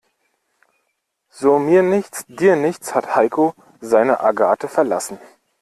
So mir nichts, dir nichts hat Heiko seine Agathe verlassen.